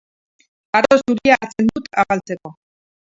Ardo zuria hartzen dut afaltzeko.